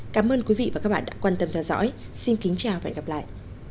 cảm ơn quý vị và các bạn đã quan tâm theo dõi xin kính chào và hẹn gặp lại